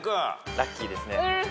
ラッキーですね。